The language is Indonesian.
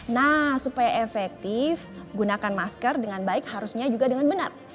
nah supaya efektif gunakan masker dengan baik harusnya juga dengan benar